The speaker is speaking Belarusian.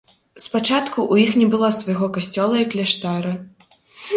Спачатку ў іх не было свайго касцёла і кляштара.